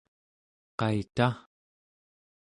qaita?